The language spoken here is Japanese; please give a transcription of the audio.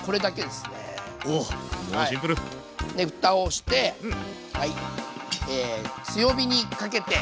でふたをして。